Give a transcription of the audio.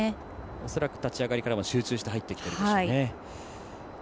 恐らく立ち上がりから集中して入ってきているでしょうね。